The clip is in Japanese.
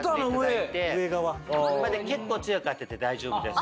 結構強く当てて大丈夫です。